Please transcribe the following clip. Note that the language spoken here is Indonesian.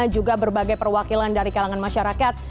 juga berbagai perwakilan dari kalangan masyarakat